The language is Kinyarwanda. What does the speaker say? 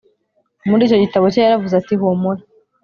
muri icyo gitabo cye yaravuze ati humura